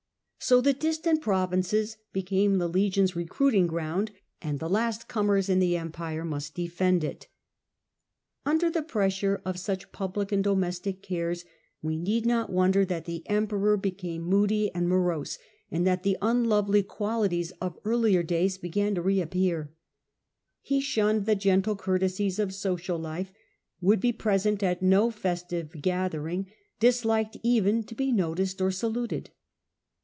So the distant provinces became the legions' re ,...., except in cruiting ground, and the last comers in the the pro Empire must defend it vmces. Under the pressure of such public and domestic cares we need not wonder that the Emperor became moody and morose, and that the unlovely quali ties of earlier days began to re appear. He grew shunned the gentle courtesies of social life, would be present at no festive gathering, disliked even to be noticed or saluted.